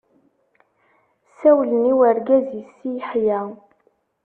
Ssawlen i urgaz-is Si Yeḥya.